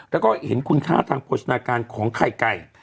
แล้วก็เห็นคุณค่าทางโภชนาการของไข่ไก่